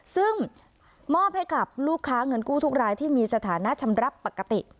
ซึ่งมอบให้กับลูกค้าเงินกู้ทุกรายที่มีสถานะชำรับปกติ